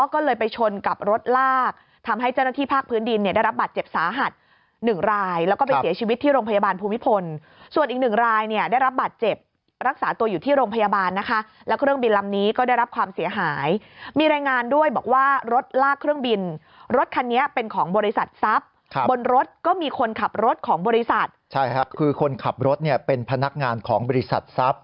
ก็เลยไปชนกับรถลากทำให้เจ้าหน้าที่ภาคพื้นดินเนี่ยได้รับบัตรเจ็บสาหัสหนึ่งรายแล้วก็ไปเสียชีวิตที่โรงพยาบาลภูมิพลส่วนอีกหนึ่งรายเนี่ยได้รับบัตรเจ็บรักษาตัวอยู่ที่โรงพยาบาลนะคะแล้วเครื่องบินลำนี้ก็ได้รับความเสียหายมีรายงานด้วยบอกว่ารถลากเครื่องบินรถคันนี้เป็นของบริษั